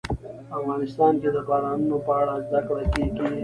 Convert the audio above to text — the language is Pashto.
افغانستان کې د بارانونو په اړه زده کړه کېږي.